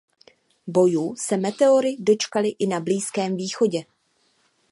Bojů se Meteory dočkaly i na Blízkém východě.